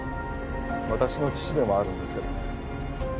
私の父でもあるんですけどね